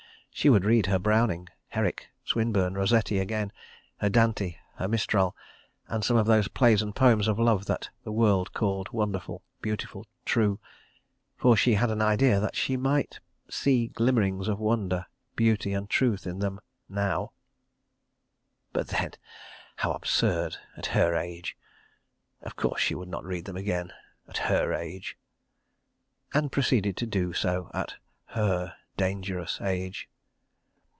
... She would read her Browning, Herrick, Swinburne, Rosetti again, her Dante, her Mistral, and some of those plays and poems of Love that the world called wonderful, beautiful, true, for she had an idea that she might see glimmerings of wonder, beauty and truth in them—now. ... But then—how absurd!—at her age. Of course she would not read them again! At her age! ... And proceeded to do so at her Dangerous Age.